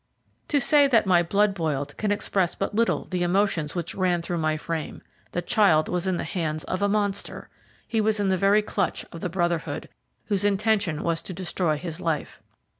To say that my blood boiled can express but little the emotions which ran through my frame the child was in the hands of a monster. He was in the very clutch of the Brotherhood, whose intention was to destroy his life.